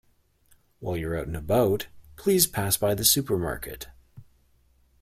While you're out and about, please pass by the supermarket.